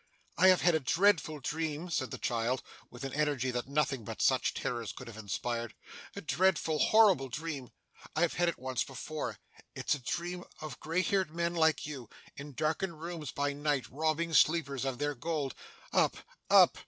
'I have had a dreadful dream,' said the child, with an energy that nothing but such terrors could have inspired. 'A dreadful, horrible dream. I have had it once before. It is a dream of grey haired men like you, in darkened rooms by night, robbing sleepers of their gold. Up, up!